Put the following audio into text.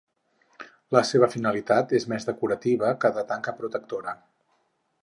La seva finalitat és més decorativa que de tanca protectora.